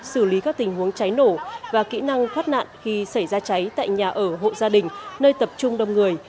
xử lý các tình huống cháy nổ và kỹ năng thoát nạn khi xảy ra cháy tại nhà ở hộ gia đình nơi tập trung đông người